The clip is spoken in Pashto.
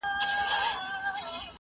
پښتو وایئ!